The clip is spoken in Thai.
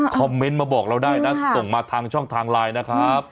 คอมเมนต์มาบอกเราได้นะส่งมาทางช่องทางไลน์นะครับ